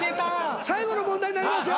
最後の問題になりますよ。